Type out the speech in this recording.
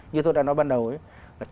như tôi đã nói ban đầu ấy